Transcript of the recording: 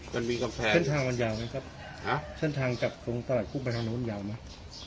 มันมีกำแพงเส้นทางมันยาวไหมครับฮะเส้นทางกับผมตลอดปุ๊บอาทามนู้นยาวไหม